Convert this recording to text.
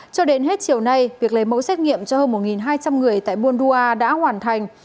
cho đến hết chiều nay việc lấy mẫu xét nghiệm cho hơn một hai trăm linh người tại buôn dua đã hoàn thành